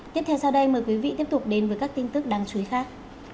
tiếp theo sau đây mời quý vị tiếp tục đến với các tin tức đáng chú ý khác